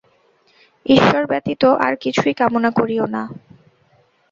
ঈশ্বর ব্যতীত আর কিছুই কামনা করিও না।